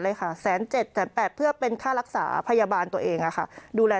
เลยค่ะแสน๗แต่๘เพื่อเป็นค่ารักษาพยาบาลตัวเองค่ะดูแล